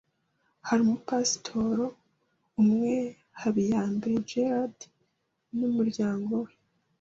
Hari umu Pasteur umwe HABIYAMBERE Gerard n’umuryango we